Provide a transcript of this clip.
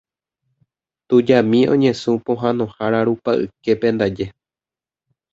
Tujami oñesũ pohãnohára rupa yképe ndaje.